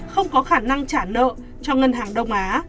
không có khả năng trả nợ cho ngân hàng đông á